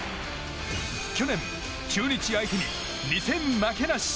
去年、中日相手に２戦負けなし！